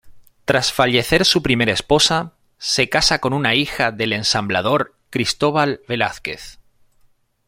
Tras fallecer su primera esposa, se casa con una hija del ensamblador Cristóbal Velázquez.